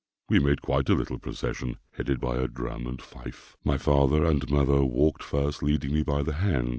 We made quite a little procession, headed by a drum and fife. My father and mother walked first, leading me by the hand.